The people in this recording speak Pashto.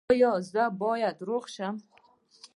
ایا زه باید روغ شم؟